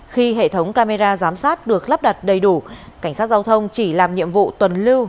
khi hệ thống camera giám sát được lắp đặt đầy đủ cảnh sát giao thông chỉ làm nhiệm vụ tuần lưu